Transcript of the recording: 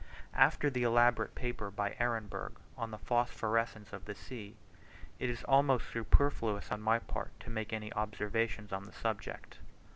After the elaborate paper, by Ehrenberg, on the phosphorescence of the sea, it is almost superfluous on my part to make any observations on the subject.